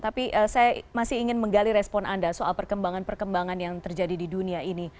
tapi saya masih ingin menggali respon anda soal perkembangan perkembangan yang terjadi di dunia ini